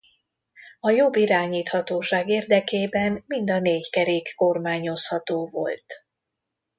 A jobb irányíthatóság érdekében mind a négy kerék kormányozható volt.